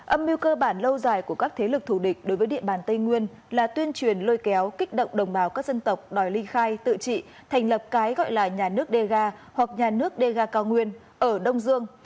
âm mưu cơ bản lâu dài của các thế lực thủ địch đối với địa bàn tây nguyên là tuyên truyền lôi kéo kích động đồng bào các dân tộc đòi ly khai tự trị thành lập cái gọi là nhà nước dega hoặc nhà nước dega cao nguyên ở đông dương